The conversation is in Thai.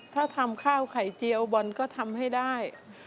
ถ้าทำข้าวไข่เจียวบอลก็ทำให้ได้